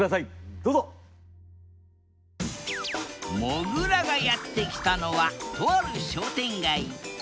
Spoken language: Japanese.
もぐらがやって来たのはとある商店街。